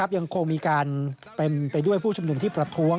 ยังคงมีการเต็มไปด้วยผู้ชุมนุมที่ประท้วง